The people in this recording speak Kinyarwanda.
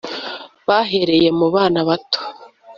bahereye mu bana bato.